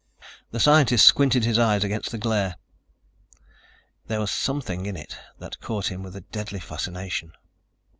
The scientist squinted his eyes against the glare. There was something in it that caught him with a deadly fascination.